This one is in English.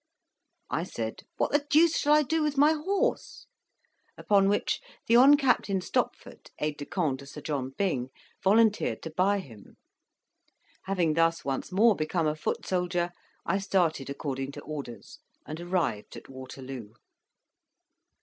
I said, "What the deuce shall I do with my horse?" Upon which the Hon. Captain Stopford, aide de camp to Sir John Byng, volunteered to buy him. Having thus once more become a foot soldier, I started according to orders, and arrived at Waterloo.